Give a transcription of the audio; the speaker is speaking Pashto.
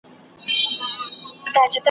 زما سره به څرنګه سیالي کوې رقیبه `